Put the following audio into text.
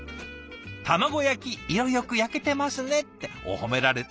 「卵焼き色よくやけてますね」っておっ褒められてる！